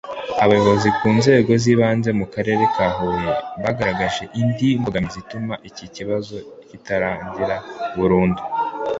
Abayobozi ku nzego z’ibanze mu Karere ka Huye bagaragaje indi mbogamizi ituma iki kibazo kitarangira burundu